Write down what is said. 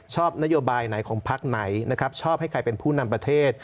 ชอบนโยบายไหนของพักไหนนะครับชอบให้ใครเป็นผู้นำประเทศ